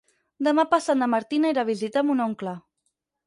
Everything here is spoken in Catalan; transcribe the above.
Demà passat na Martina irà a visitar mon oncle.